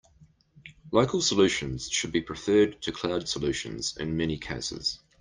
Local solutions should be preferred to cloud solutions in many cases.